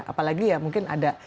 apalagi ya mungkin ada